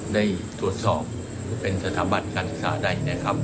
ได้ตรวจสอบสถาบัติการศึกษาได้